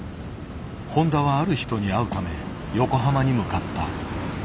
誉田はある人に会うため横浜に向かった。